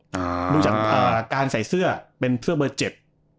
ดูจากการใส่เสื้อเป็นเสื้อเบอร์เจ็บ